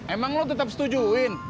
emang lo tetap setujuin